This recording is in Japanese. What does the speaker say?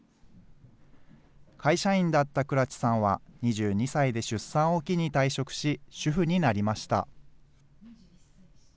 会社員だった倉知さんは、２２歳で出産を機に退職し、主婦になりました。